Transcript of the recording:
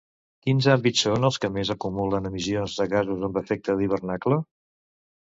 Quins àmbits són els que més acumulen emissions de gasos amb efecte d'hivernacle?